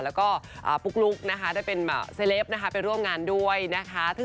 แล้วก็ปุ๊กลุ๊กได้เป็นเซเลฟเป็นร่วมงานด้วยนะคะ